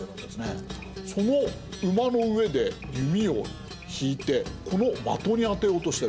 その馬の上で弓を引いてこの的に当てようとしてる。